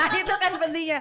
nah itu kan pentingnya